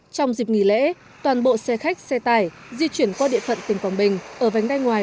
trong dịp nghỉ lễ toàn bộ xe khách xe tải di chuyển qua địa phận tỉnh quảng bình ở vánh đai ngoài